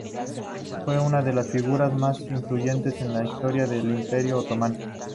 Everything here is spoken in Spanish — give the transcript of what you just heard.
Fue una de las figuras más influyentes en la historia del Imperio otomano.